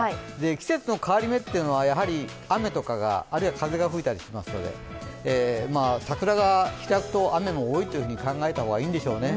季節の変わり目というのはやはり雨とかあるいは風が吹いたりしますので桜が開くと雨も多いと考えた方がいいんでしょうね。